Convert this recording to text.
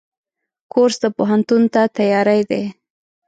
کورس د پوهنتون ته تیاری دی.